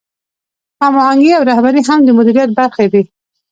هماهنګي او رهبري هم د مدیریت برخې دي.